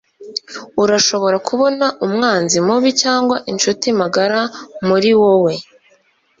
urashobora kubona umwanzi mubi cyangwa inshuti magara muri wowe